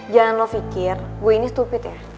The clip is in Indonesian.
jangan lo pikir gue ini stupit ya